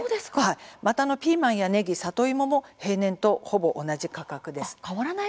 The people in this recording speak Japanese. また、ピーマンやねぎ里芋も平年とほぼ同じ価格です。